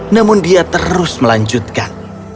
namun dia terus melanjutkan